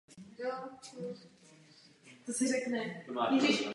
Spojené státy jsou každoročně zasaženy řadou přírodních katastrof.